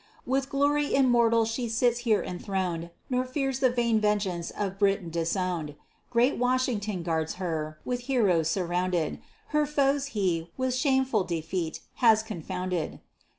With glory immortal she here sits enthroned, Nor fears the vain vengeance of Britain disown'd, Great Washington guards her, with heroes surrounded; Her foes he, with shameful defeat, has confounded.